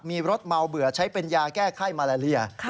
มีรถเมาเบื่อใช้เป็นยาแก้ไข้มาลาเลีย